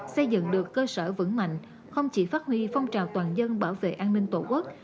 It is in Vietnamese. xây dựng được cơ sở vững mạnh không chỉ phát huy phong trào toàn dân bảo vệ an ninh tổ quốc